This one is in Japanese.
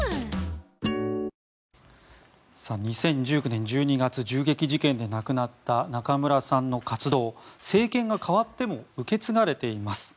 ２０１９年１２月銃撃事件で亡くなった中村さんの活動政権が代わっても受け継がれています。